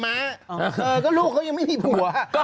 เพราะลูกเขายังไม่มีขัว